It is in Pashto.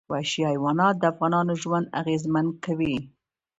وحشي حیوانات د افغانانو ژوند اغېزمن کوي.